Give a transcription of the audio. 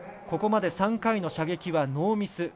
ここまで３回の射撃はノーミス。